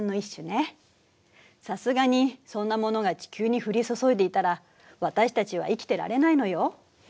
さすがにそんなものが地球に降り注いでいたら私たちは生きてられないのよ。